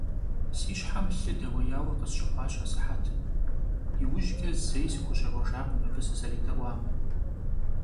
Си щхьэм лъы дэуеяуэ къысщыхъуащ асыхьэтым, иужькӀэ зэи сыхущӀегъуэжакъым абы сызэредэӀуам.